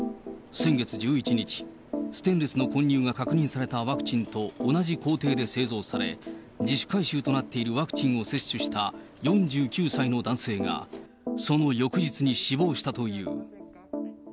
先月１１日、ステンレスの混入が確認されたワクチンと同じ工程で製造され、自主回収となっているワクチンを接種した４９歳の男性が、その翌日に死亡したという。